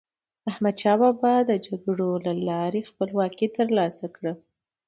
احمدشاه بابا د جګړو له لارې خپلواکي تر لاسه کړه.